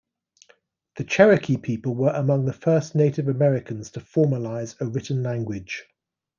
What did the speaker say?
The Cherokee people were among the first Native Americans to formalize a written language.